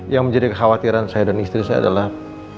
yang menjadi kekhawatiran saya dan istri saya adalah